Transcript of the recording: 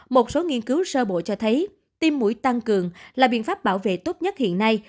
một số nghiên cứu sơ bộ cho thấy tim mũi tăng cường là biện pháp bảo vệ tốt nhất hiện nay